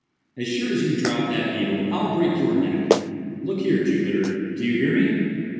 As sure as you drop that beetle I'll break your neck. Look here, Jupiter, do you hear me?"